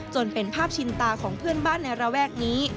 จนเป็นภาพชินตาของเพื่อนบ้านในระแวกนี้